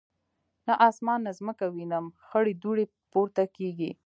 نه اسمان نه مځکه وینم خړي دوړي پورته کیږي